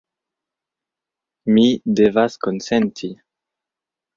Mi devas konsenti.